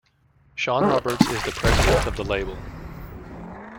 Sean Roberts is the president of the label.